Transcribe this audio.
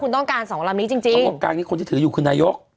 คุณต้องการสองลำนี้จริงจริงเขาบอกกลางนี้คนที่ถืออยู่คือนายก